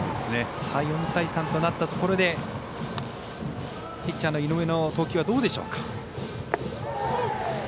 ４対３となったところでピッチャーの井上の投球はどうでしょうか。